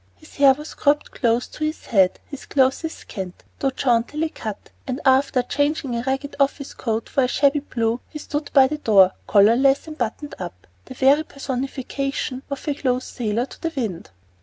His hair was cropped close to his head, his clothes scant, though jauntily cut, and, after changing a ragged office coat for a shabby blue, he stood by the door, collarless and buttoned up, the very personification of a close sailer to the wind.